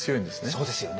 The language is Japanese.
そうですよね。